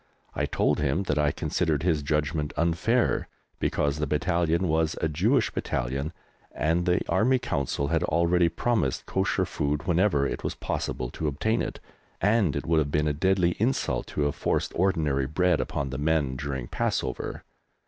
I told him that I considered his judgment unfair, because the battalion was a Jewish Battalion, and the Army Council had already promised Kosher food whenever it was possible to obtain it, and it would have been a deadly insult to have forced ordinary bread upon the men during Passover.